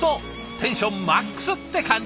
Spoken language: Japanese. テンションマックスって感じ！